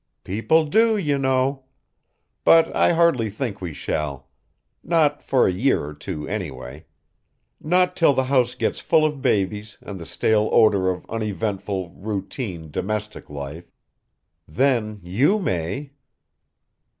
"People do, you know. But I hardly think we shall. Not for a year or two, anyway. Not till the house gets full of babies and the stale odor of uneventful, routine, domestic life. Then you may."